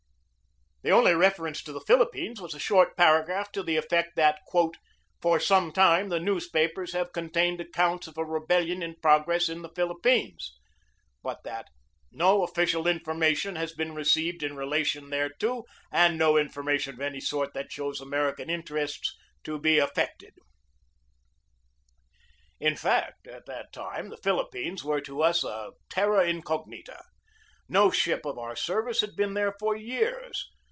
The only reference to the Philippines was a short paragraph, to the effect that "for some time the newspapers have contained accounts of a rebellion in progress in the Philippines"; but that "no official information has been received in relation thereto, and no information of any sort that shows American interests to be affected." In fact, at that time the Philippines were to us a terra incognita. No ship of our service had been there for years.